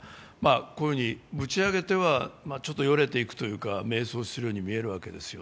こういうふうにぶち上げてはちょっとよれていくというか迷走するように見えるんですよ。